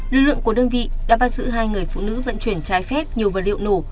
lực lượng của đơn vị đã bắt giữ hai người phụ nữ vận chuyển trái phép nhiều vật liệu nổ